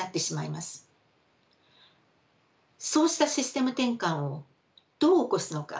そうしたシステム転換をどう起こすのか？